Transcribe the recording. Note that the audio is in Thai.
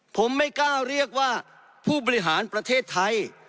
ผมไม่กล้าเรียกว่าผู้บริหารประเทศไทย